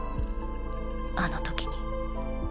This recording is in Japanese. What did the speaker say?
あの時に。